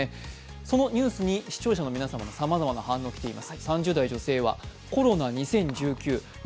そのニュースに視聴者の皆さんのさまざまな反応が来ています。